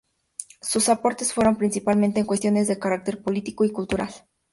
Sus aportes fueron principalmente en cuestiones de carácter político y cultural.